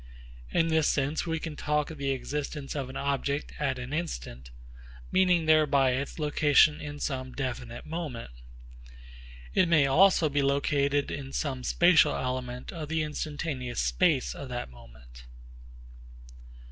In this sense we can talk of the existence of an object at an instant, meaning thereby its location in some definite moment. It may also be located in some spatial element of the instantaneous space of that moment.